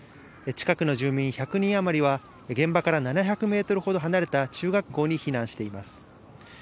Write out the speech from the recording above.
近くの住民１００人余りは、現場から７００メートルほど離れた中学校に避難しています。